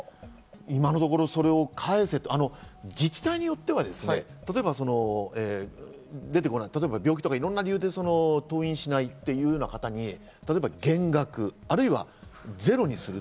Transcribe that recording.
今のところ、それを返せと、自治体によっては病気とかいろんな理由で登院しないという方に減額、あるいはゼロにする。